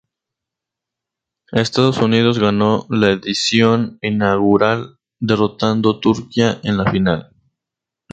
Estados Unidos ganó la edición inaugural, derrotando Turquía en la final.